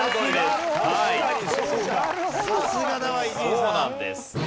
そうなんです。